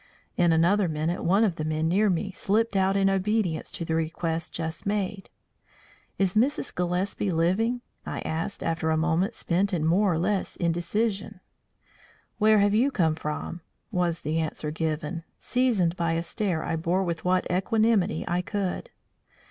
In another minute one of the men near me slipped out in obedience to the request just made. "Is Mrs. Gillespie living?" I asked, after a moment spent in more or less indecision. "Where have you come from?" was the answer given, seasoned by a stare I bore with what equanimity I could.